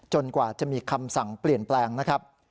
กว่าจะมีคำสั่งเปลี่ยนแปลงนะครับ